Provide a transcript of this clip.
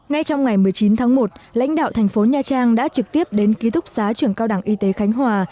ngay trong ngày một mươi chín tháng một lãnh đạo thành phố nha trang đã trực tiếp đến ký túc xá trường cao đẳng y tế khánh hòa